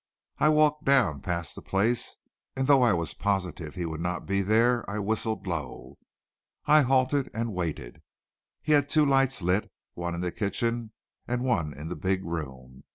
I walked down past the place, and though I was positive he would not be there I whistled low. I halted and waited. He had two lights lit, one in the kitchen, and one in the big room.